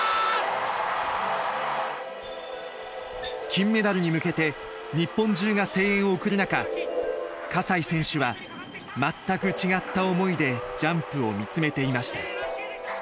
金メダルに向けて日本中が声援を送る中西選手は全く違った思いでジャンプを見つめていました。